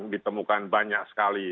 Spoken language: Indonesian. ditemukan banyak sekali